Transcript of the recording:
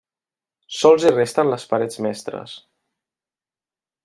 Sols hi resten les parets mestres.